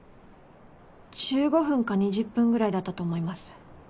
１５分か２０分ぐらいだったと思います。